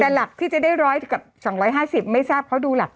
แต่หลักที่จะได้๑๐๐กับ๒๕๐ไม่ทราบเขาดูหลัก